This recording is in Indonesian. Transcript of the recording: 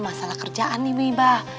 masalah kerjaan ini pak